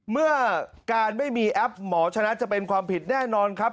เมื่อการไม่มีแอปหมอชนะจะเป็นความผิดแน่นอนครับ